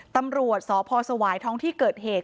ตำรวจสพสวายท้องที่เกิดเหตุ